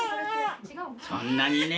そんなにね。